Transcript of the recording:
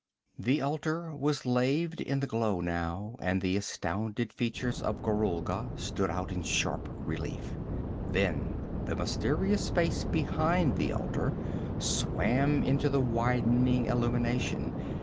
The altar was laved in the glow now, and the astounded features of Gorulga stood out in sharp relief. Then the mysterious space behind the altar swam into the widening illumination.